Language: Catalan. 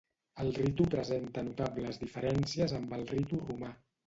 El ritu presenta notables diferències amb el Ritu Romà.